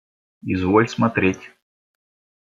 Изволь смотреть.